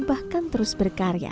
wahkan terus berkarya